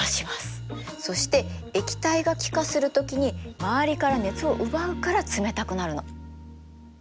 そして液体が気化する時に周りから熱を奪うから冷たくなるの。